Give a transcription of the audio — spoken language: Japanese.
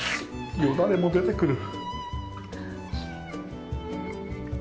よだれも出てくる。